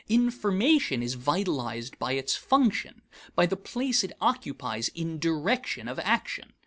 Information is vitalized by its function; by the place it occupies in direction of action.